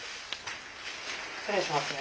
失礼しますね。